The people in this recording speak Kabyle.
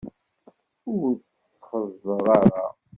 Ur t-xeẓẓer ara!